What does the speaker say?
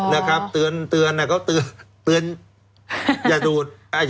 อ๋อนะครับเตือนก็เตือนอย่าดูดอย่าทิ้ง